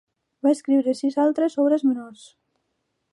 Va escriure sis altres obres menors.